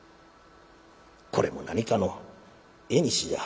「これも何かの縁じゃ。